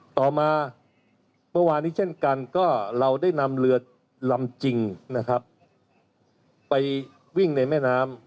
ต่อมาเมื่อวานนี้เช่นกันก็เราได้นำเรือลำจริงนะครับไปวิ่งในแม่น้ำ